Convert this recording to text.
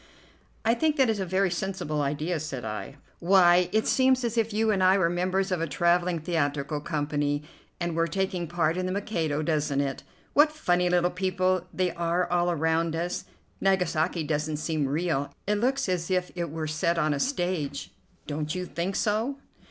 "I think that is a very sensible idea," said I. "Why, it seems as if you and I were members of a travelling theatrical company, and were taking part in 'The Mikado,' doesn't it? What funny little people they are all around us! Nagasaki doesn't seem real. It looks as if it were set on a stage, don't you think so?"